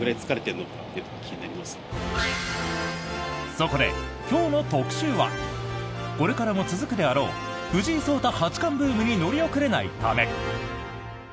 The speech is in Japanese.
そこで、今日の特集はこれからも続くであろう藤井聡太八冠ブームに乗り遅れないため。